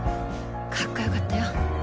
かっこよかったよ。